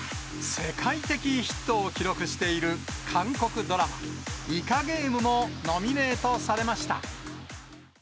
世界的ヒットを記録している韓国ドラマ、イカゲームもノミネートされました。